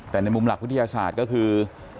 แต่ในมุมหลักวิทยาศาสตร์ก็คือ